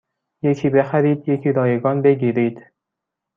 یکی بخرید یکی رایگان بگیرید